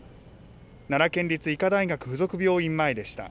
奈良県立医科大学附属病院前でした。